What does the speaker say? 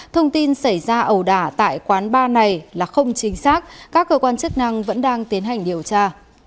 thông tin xảy ra ẩu đả tại quán bar này là không chính xác các cơ quan chức năng vẫn đang tiến hành điều tra